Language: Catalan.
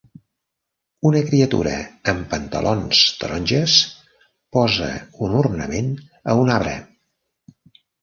Una criatura amb pantalons taronges posa un ornament a un arbre.